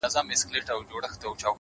o دغه سپينه سپوږمۍ ـ